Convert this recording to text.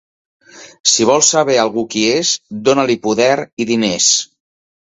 Si vols saber algú qui és, dóna-li poder i diners.